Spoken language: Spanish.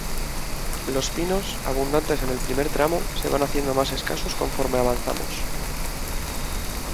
Los pinos, abundantes en el primer tramo, se van haciendo más escasos conforme avanzamos.